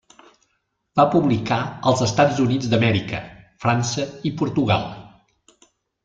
Va publicar als Estats Units d'Amèrica, França i Portugal.